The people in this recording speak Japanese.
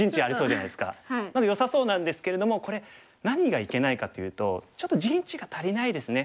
なのでよさそうなんですけれどもこれ何がいけないかというとちょっと陣地が足りないですね。